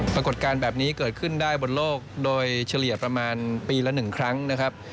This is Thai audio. ปรากฏการณ์แบบนี้เกิดขึ้นได้บนโลกโดยเฉลี่ยประมาณปีละ๑ครั้งนะครับ